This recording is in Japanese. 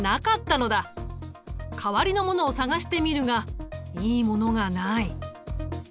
代わりのものを探してみるがいいものがない。